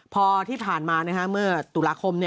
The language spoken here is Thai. พอที่ผ่านมาเมื่อตุลาคม